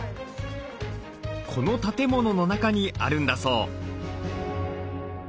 この建物の中にあるんだそう。